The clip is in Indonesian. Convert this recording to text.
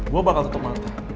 gue bakal tetep mata